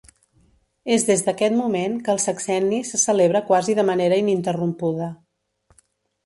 És des d'aquest moment que el Sexenni se celebra quasi de manera ininterrompuda.